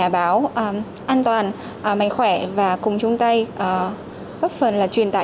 báo an toàn mạnh khỏe và cùng chung tay góp phần là truyền tải